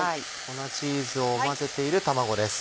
粉チーズを混ぜている卵です。